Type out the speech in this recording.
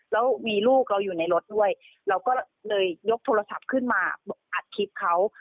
แล้วมีลูกเราอยู่ในรถด้วยเราก็เลยยกโทรศัพท์ขึ้นมาอัดคลิปเขา